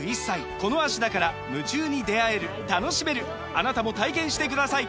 あなたも体験してください！